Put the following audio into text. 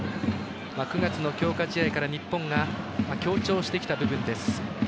９月の強化試合が日本が強調してきた部分です。